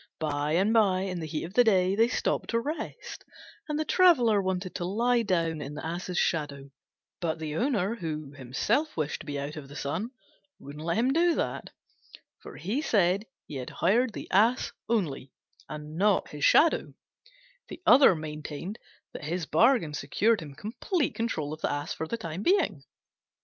By and by, in the heat of the day, they stopped to rest, and the traveller wanted to lie down in the Ass's Shadow; but the owner, who himself wished to be out of the sun, wouldn't let him do that; for he said he had hired the Ass only, and not his Shadow: the other maintained that his bargain secured him complete control of the Ass for the time being.